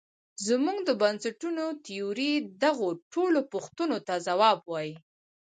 زموږ د بنسټونو تیوري دغو ټولو پوښتونو ته ځواب وايي.